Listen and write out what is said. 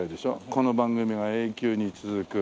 この番組が永久に続く。